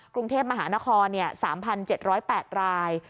กรุงเทพมหานคร๓๗๐๘ราย